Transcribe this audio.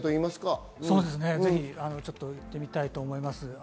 ぜひ言ってみたいと思います。